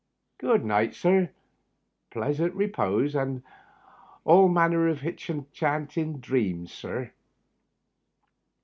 Good night, sir. Pleasant reepose, sir, and all manner of hinchantin' dreams, sir."